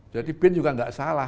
jadi bin juga gak salah